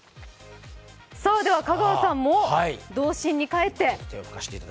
香川さんも童心に帰って。